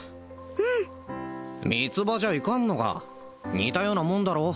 うん三つ葉じゃいかんのか似たようなもんだろ